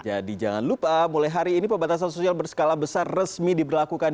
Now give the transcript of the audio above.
jadi jangan lupa mulai hari ini pembatasan sosial berskala besar resmi diberlakukan